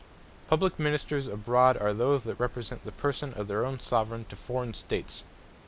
Publique Ministers abroad, are those that represent the Person of their own Soveraign, to forraign States.